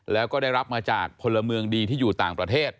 แล้วก็ได้รับมาจากพลเมืองดีที่อยู่ต่างประเทศ